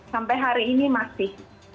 sampai hari ini masih